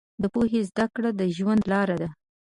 د پوهې زده کړه د ژوند لار ده.